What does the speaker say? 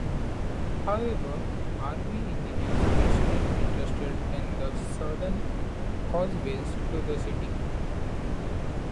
However, Army engineers were still interested in the southern causeways to the city.